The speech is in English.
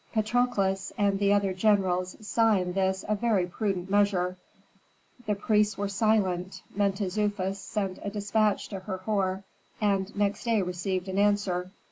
Patrokles and the other generals saw in this a very prudent measure; the priests were silent, Mentezufis sent a despatch to Herhor and next day received an answer.